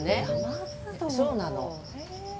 そうなの。